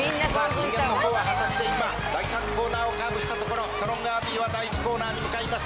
人間の方は果たして今第３コーナーをカーブしたところストロングアーミーは第１コーナーに向かいます